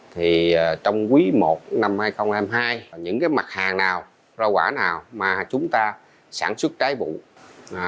thì trong quý i năm hai nghìn hai mươi hai những cái mặt hàng nào rau quả nào mà chúng ta sản xuất trái vụ